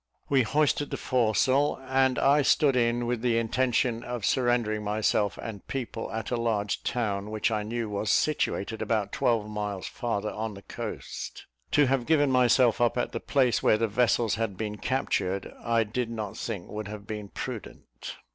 We hoisted the foresail, and I stood in with the intention of surrendering myself and people at a large town which I knew was situated about twelve miles farther on the coast. To have given myself up at the place where the vessels had been captured, I did not think would have been prudent.